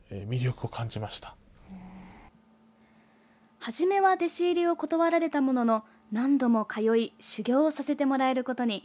初めは弟子入りを断られたものの何度も通い修業をさせてもらえることに。